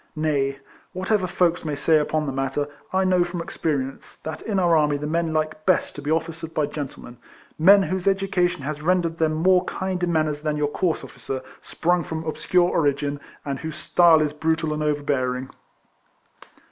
Nay, whatever folks may say upon the matter, I know from experience, that in our army the men like best to be officered by gentlemen, men whose education has rendered them more kind in manners than your coarse officer, sprung from obscure origin, and whose style is brutal and overbearing.